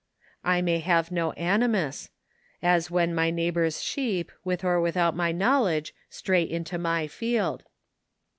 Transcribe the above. I may have no animus ; as when my neighbour's sheep, with or without my knowledge, stray into my field.